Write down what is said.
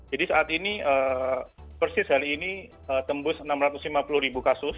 jadi saat ini persis hari ini tembus enam ratus lima puluh ribu kasus